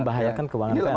membahayakan keuangan pln